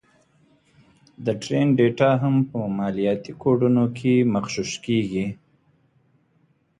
د ټرینډ ډېټا هم په مالياتي کوډونو کې مغشوش کېږي